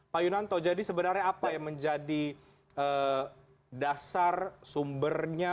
pak yunanto jadi sebenarnya apa yang menjadi dasar sumbernya